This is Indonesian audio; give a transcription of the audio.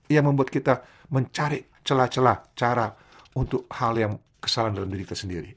yang membuat kita mencari celah celah cara untuk hal yang kesalahan dalam diri kita sendiri